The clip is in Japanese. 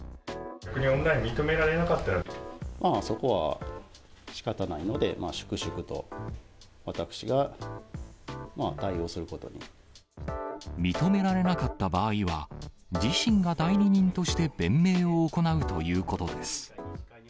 オンライン認められなかったそこはしかたないので、認められなかった場合は、自身が代理人として弁明を行うということです。